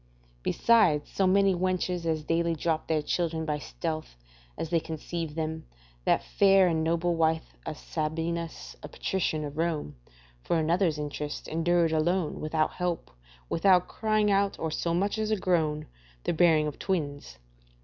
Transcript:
Besides so many wenches as daily drop their children by stealth, as they conceived them, that fair and noble wife of Sabinus, a patrician of Rome, for another's interest, endured alone, without help, without crying out, or so much as a groan, the bearing of twins.